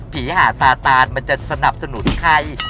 หาซาตานมันจะสนับสนุนใคร